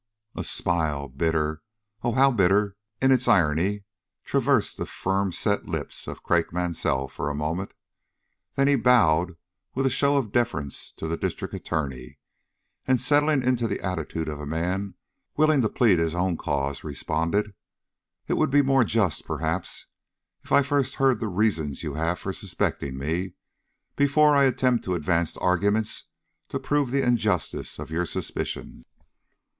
A smile, bitter, oh, how bitter in its irony! traversed the firm set lips of Craik Mansell for a moment, then he bowed with a show of deference to the District Attorney, and settling into the attitude of a man willing to plead his own cause, responded: "It would be more just, perhaps, if I first heard the reasons you have for suspecting me, before I attempt to advance arguments to prove the injustice of your suspicions."